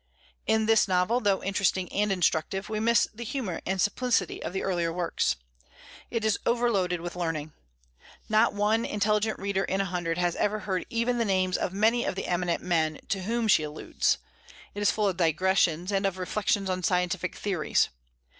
In this novel, though interesting and instructive, we miss the humor and simplicity of the earlier works. It is overloaded with learning. Not one intelligent reader in a hundred has ever heard even the names of many of the eminent men to whom she alludes. It is full of digressions, and of reflections on scientific theories.